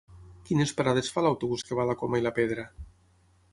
Quines parades fa l'autobús que va a la Coma i la Pedra?